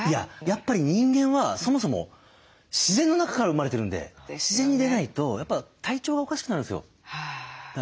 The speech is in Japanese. やっぱり人間はそもそも自然の中から生まれてるんで自然に出ないとやっぱ体調がおかしくなるんですよ。